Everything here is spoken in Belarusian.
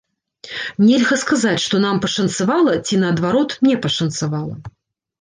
Нельга сказаць, што нам пашанцавала ці, наадварот, не пашанцавала.